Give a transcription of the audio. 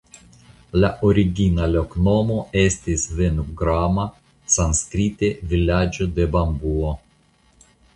La origina loknomo estis "Venugrama" (sanskrite "vilaĝo de bambuo").